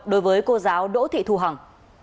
đối với cô giáo đỗ thị thu hằng